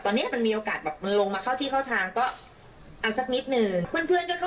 ตอนนี้มันมีโอกาสมันลงมาเข้าที่เข้าทางก็เอาสักนิดหนึ่ง